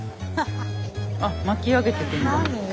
あっ巻き上げてくんだ。